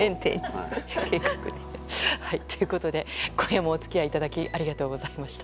今夜もお付き合いいただきありがとうございました。